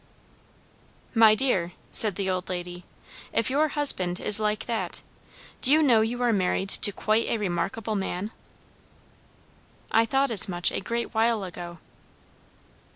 "My dear," said the old lady, "if your husband is like that, do you know you are married to quite a remarkable man?" "I thought as much a great while ago."